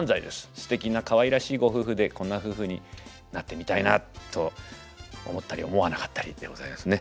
すてきなかわいらしいご夫婦でこんな夫婦になってみたいなと思ったり思わなかったりでございますね。